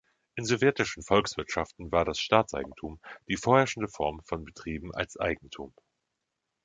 In sowjetischen Volkswirtschaften war das Staatseigentum die vorherrschende Form von Betrieben als Eigentum.